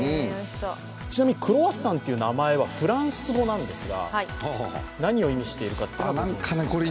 ちなみにクロワッサンという名前はフランス語なんですが何を意味しているか分かります？